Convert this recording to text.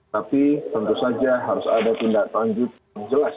tapi tentu saja harus ada tindak lanjut yang jelas